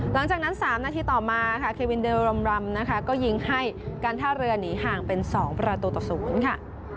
หลังจากนั้น๓นาทีต่อมาค่ะเควินเดโรรมรำนะคะก็ยิงให้การท่าเรือหนีห่างเป็น๒ประตูต่อ๐ค่ะ